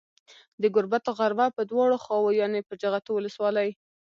د گوربت غروه په دواړو خواوو يانې په جغتو ولسوالۍ